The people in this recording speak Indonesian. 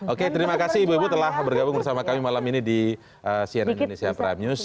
oke terima kasih ibu ibu telah bergabung bersama kami malam ini di cnn indonesia prime news